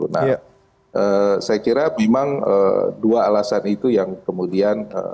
nah saya kira memang dua alasan itu yang kemudian